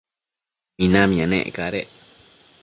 minamia nec cadec